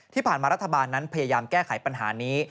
ที่ผ่านมารัฐบาลนั้นพยายามแก้ไขปัญหานี้